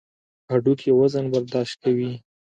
هډوکي وزن برداشت کوي.